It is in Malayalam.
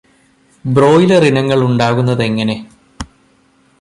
ബ്രോയ്ലർ ഇനങ്ങൾ ഉണ്ടാകുന്നതെങ്ങനെ?